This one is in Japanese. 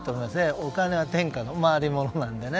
お金は天下の回り物なんでね。